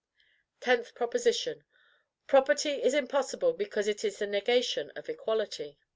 TENTH PROPOSITION. Property is impossible, because it is the Negation of equality.